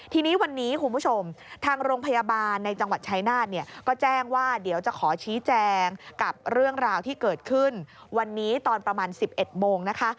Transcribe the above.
ทีนี้วันนี้คุณผู้ชมทางโรงพยาบาลในจังหวัดชายนาฏเนี่ยก็แจ้งว่าเดี๋ยวจะขอชี้แจงกับเรื่องราวที่เกิดขึ้นวันนี้ตอนประมาณ๑๑โมงนะคะ